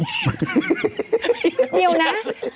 ริวนะ